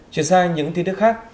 chuyển sang những tin tức khác